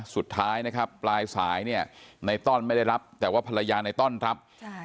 สุดท้ายนะครับปลายสายเนี่ยในต้อนไม่ได้รับแต่ว่าภรรยาในต้อนรับ